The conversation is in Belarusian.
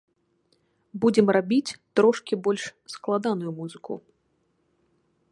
Будзем рабіць трошкі больш складаную музыку.